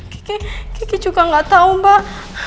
kiki kiki juga nggak tahu mbak